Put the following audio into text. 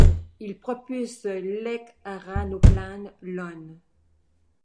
Il propulse l'Ekranoplan Lun.